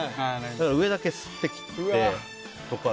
だから、上だけすっと切ってとか。